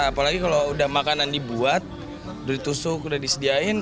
apalagi kalau udah makanan dibuat udah ditusuk udah disediain